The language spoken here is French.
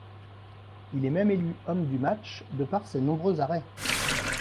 Il est même élu homme du match de par ses nombreux arrêts.